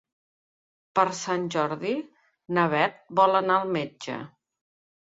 Per Sant Jordi na Bet vol anar al metge.